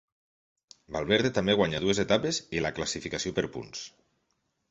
Valverde també guanyà dues etapes i la classificació per punts.